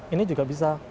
ini juga bisa